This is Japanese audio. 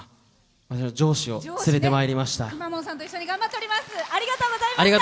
上司を連れてまいりました。